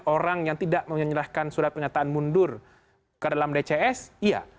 orang yang tidak menyerahkan surat pernyataan mundur ke dalam dcs iya